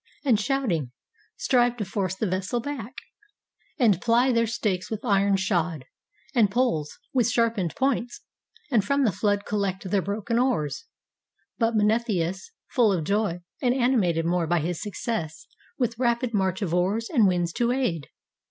And, shouting, strive to force the vessel back, And ply their stakes with iron shod, and poles With sharpened points, and from the flood collect Their broken oars. But Mnestheus, full of joy, And animated more by his success. With rapid march of oars, and winds to aid.